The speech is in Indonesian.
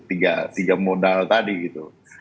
tiga modal tadi gitu